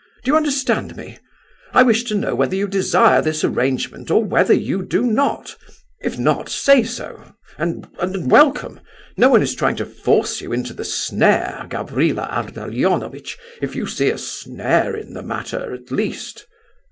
Do you understand me? I wish to know whether you desire this arrangement or whether you do not? If not, say so,—and—and welcome! No one is trying to force you into the snare, Gavrila Ardalionovitch, if you see a snare in the matter, at least."